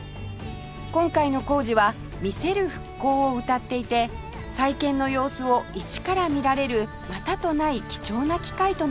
今回の工事は「見せる復興」をうたっていて再建の様子を一から見られるまたとない貴重な機会となっています